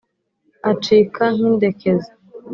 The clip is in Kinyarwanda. acika nk’indekezi